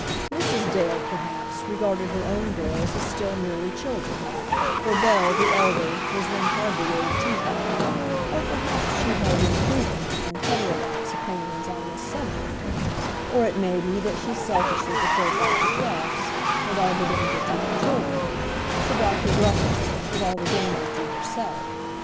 Mrs. Dale, perhaps, regarded her own girls as still merely children, for Bell, the elder, was then hardly eighteen; or perhaps she held imprudent and heterodox opinions on this subject; or it may be that she selfishly preferred Dr. Crofts, with all the danger to her children, to Dr. Gruffen, with all the danger to herself.